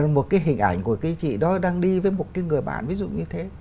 một cái hình ảnh của cái chị đó đang đi với một cái người bạn ví dụ như thế